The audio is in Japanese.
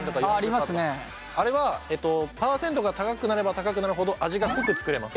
あれは％が高くなれば高くなるほど味が濃く作れます。